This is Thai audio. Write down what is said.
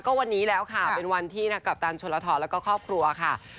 ก็วันนี้แล้วค่ะเป็นวันที่กัปตันชนธรและครอบครัวค่ะ